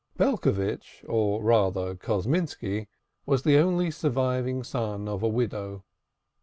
Belcovitch, or rather Kosminski, was the only surviving son of a widow.